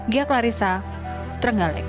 gia klarissa terenggalek